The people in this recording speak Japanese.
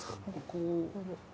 こう。